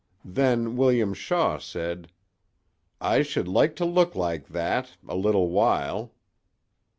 Then William Shaw said: 'I should like to look like that—a little while.